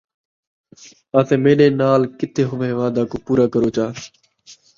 اَتے میݙے نال کِیتے ہوئے وعدے کُوں پُورا چَا کرو،